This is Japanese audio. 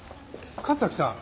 神崎さん